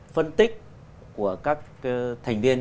phân tích của các thành viên